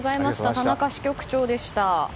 田中支局長でした。